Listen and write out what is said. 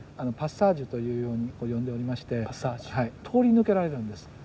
パッサージュというように呼んでおりまして通り抜けられるんです。